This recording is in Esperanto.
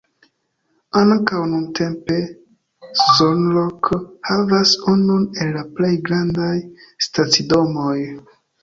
Ankaŭ nuntempe Szolnok havas unun el la plej grandaj stacidomoj.